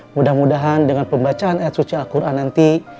mudah mudahan dengan pembacaan ayat suci al quran nanti